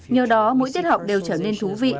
nhờ đó mỗi tiết học đều trở nên thú vị